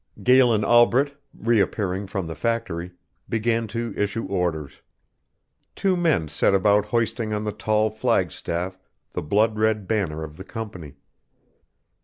Galen Albret, reappearing from the factory, began to issue orders. Two men set about hoisting on the tall flag staff the blood red banner of the Company.